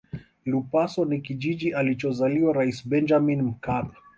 lupaso ni kijiji alichozaliwa rais benjamin mkapa